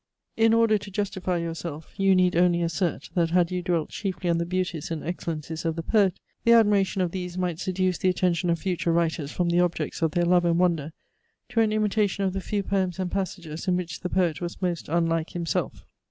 In order to justify yourself, you need only assert, that had you dwelt chiefly on the beauties and excellencies of the poet, the admiration of these might seduce the attention of future writers from the objects of their love and wonder, to an imitation of the few poems and passages in which the poet was most unlike himself.